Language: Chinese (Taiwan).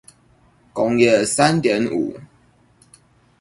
工業三點五